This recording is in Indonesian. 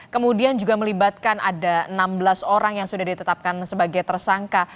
kemudian juga melibatkan ada enam belas orang yang sudah ditetapkan sebagai tersangka